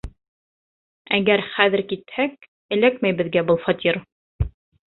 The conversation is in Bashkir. Әгәр хәҙер китһәк, эләкмәй беҙгә был фатир!